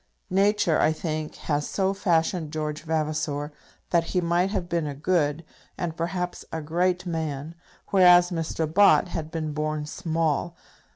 Nature, I think, had so fashioned George Vavasor, that he might have been a good, and perhaps a great man; whereas Mr. Bott had been born small.